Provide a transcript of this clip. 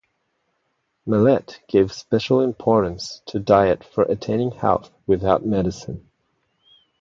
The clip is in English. Mallett gave special importance to diet for attaining health without medicine.